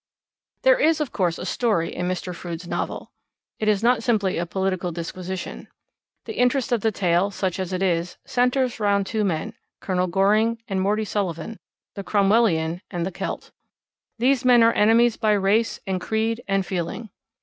There is, of course, a story in Mr. Froude's novel. It is not simply a political disquisition. The interest of the tale, such as it is, centres round two men, Colonel Goring and Morty Sullivan, the Cromwellian and the Celt. These men are enemies by race and creed and feeling.